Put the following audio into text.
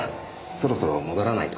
そろそろ戻らないと。